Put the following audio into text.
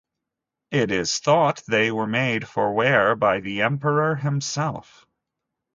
It is thought they were made for wear by the emperor himself.